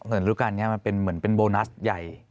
รูปการณ์นี้มันเป็นเหมือนเป็นโบนัสใหญ่